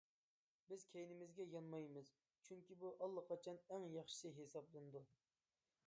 بىز كەينىمىزگە يانمايمىز، چۈنكى بۇ ئاللىقاچان ئەڭ ياخشىسى ھېسابلىنىدۇ.